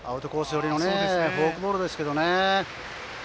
寄りのフォークボールですけどね。